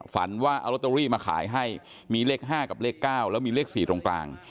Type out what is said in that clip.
ฝันว่าเอาลอตเตอรี่มาขายให้มีเลข๕กับเลข๙แล้วมีเลข๔ตรงกลาง